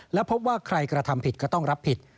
และพบว่าใครกระทำผิดก็ต้องรับผิด